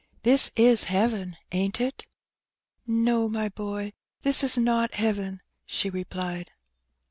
"This is heaven, aint it?'' No, my boy, this is not heaven," she replied.